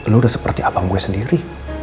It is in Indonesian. lu udah seperti abang gue sendiri